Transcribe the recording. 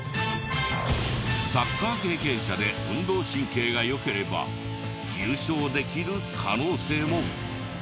サッカー経験者で運動神経が良ければ優勝できる可能性も！